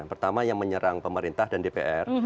yang pertama yang menyerang pemerintah dan dpr